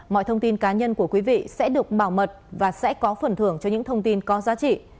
mọi thông tin cá nhân của quý vị sẽ được bảo mật và sẽ có phần thưởng cho những thông tin có giá trị